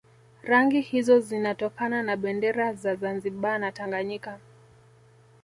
Rangi hizo zinatokana na bendera za Zanzibar na Tanganyika